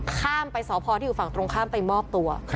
ข้ามไปสพที่อยู่ฝั่งตรงข้ามไปมอบตัว